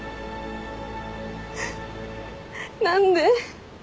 何で。